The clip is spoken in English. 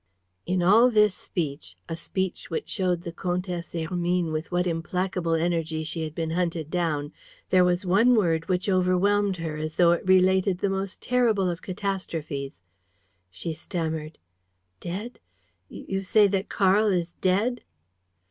In all this speech, a speech which showed the Comtesse Hermine with what implacable energy she had been hunted down, there was one word which overwhelmed her as though it related the most terrible of catastrophes. She stammered: "Dead? You say that Karl is dead?"